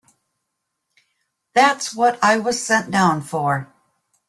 That's what I was sent down for.